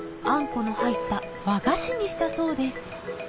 この入った和菓子にしたそうです